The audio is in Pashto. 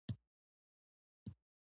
د کمیس ګنډ کې یې ګنډلې د رڼا شعرونه